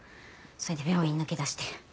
それで病院抜け出して。